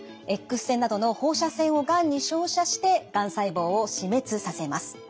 Ｘ線などの放射線をがんに照射してがん細胞を死滅させます。